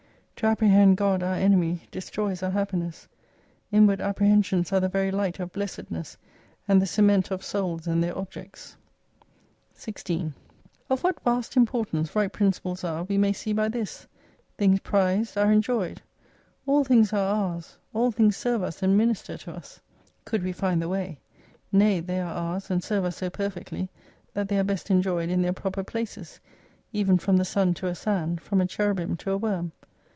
To apprehend God our enemy destroys our happiness. Inward apprehensions are the very light of blessedness, and the cement of souls and their objects. 16 Of what vast importance right principles are we may see by this, — Things prized are enjoyed. All things are ours ; all things serve us and minister to us, 250 could wc find the way : nay they are ours, and serve us so perfectly, that they are best enjoyed in their proper places : even from the sun to a sand, from a cherubim to a worm.